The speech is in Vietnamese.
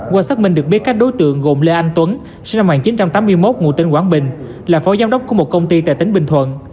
qua xác minh được biết các đối tượng gồm lê anh tuấn sinh năm một nghìn chín trăm tám mươi một ngụ tỉnh quảng bình là phó giám đốc của một công ty tại tỉnh bình thuận